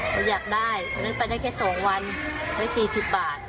เขาอยากได้เพราะฉะนั้นไปได้แค่สองวันไว้สี่สิบบาท